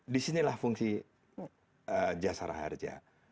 disinilah fungsi jasa raja